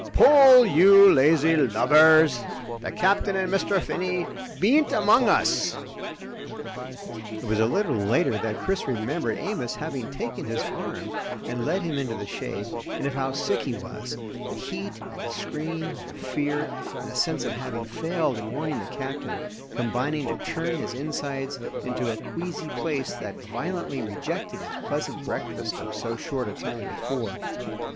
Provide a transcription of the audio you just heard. "Pull, you lazy lubbers! The Capt'n and Mr. Finney bean't among us!" It was a little later that Chris remembered Amos having taken his arm and led him into the shade, and of how sick he was the heat and the scream, the fear, and a sense of having failed in warning the Captain, combining to churn his insides into a queasy place that violently rejected his pleasant breakfast of so short a time before.